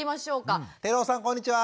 寺尾さんこんにちは！